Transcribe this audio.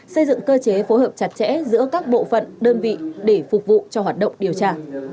xây dựng cơ chế phối hợp chặt chẽ giữa các bộ phận đơn vị để phục vụ cho hoạt động điều tra